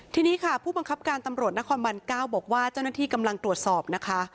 ทีนี้ค่ะผู้บังคับการตำรวจนครบัน๙บอกว่าเจ้าหน้าที่กำลังตรวจสอบนะคะ